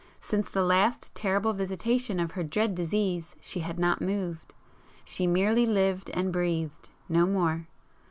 Since the last terrible visitation of her dread disease, she had not moved. She merely lived and breathed—no more.